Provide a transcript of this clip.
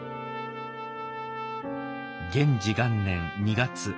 元治元年２月。